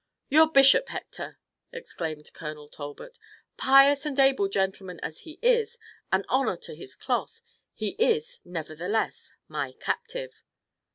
"Your bishop, Hector!" exclaimed Colonel Talbot. "Pious and able gentleman as he is, an honor to his cloth, he is nevertheless my captive."